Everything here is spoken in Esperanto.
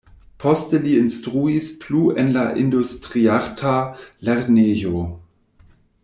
Poste li instruis plu en la Industriarta Lernejo.